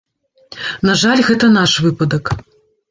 На жаль, гэта наш выпадак.